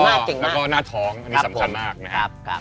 แล้วก็หน้าท้องอันนี้สำคัญมากนะครับ